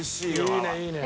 いいねいいね。